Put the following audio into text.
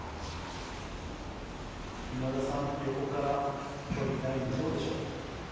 今田さん、横から距離、ラインはどうでしょう？